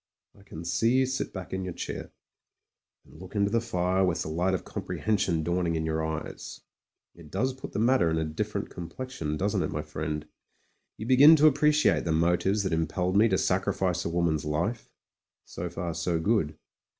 I can see you sit back in your chair, and look into the fire with the light of comprehension dawning in your eyes ; it does put the matter in a different com plexion, doesn't it, my friend? You begin to appre ciate the motives that impelled me to sacrifice a wom an's life; so far so good.